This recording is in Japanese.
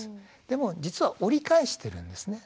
でも実は折り返してるんですね。